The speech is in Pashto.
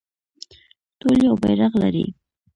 ټول یو بیرغ لري